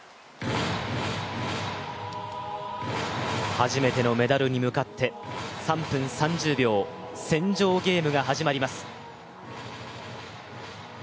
初めてのメダルに向かって３分３０秒、戦場ゲームが始まります。